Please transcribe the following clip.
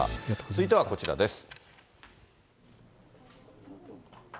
続いてはこちらです。